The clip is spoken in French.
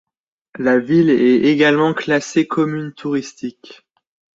La ville est également classée commune touristique.